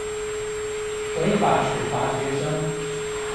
違法處罰學生